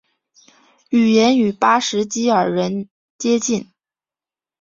语言与巴什基尔人接近。